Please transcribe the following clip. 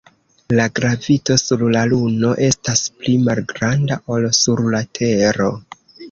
La gravito sur la Luno estas pli malgranda ol sur la Tero.